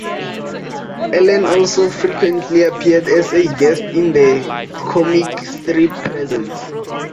Allen also frequently appeared as a guest in "The Comic Strip Presents".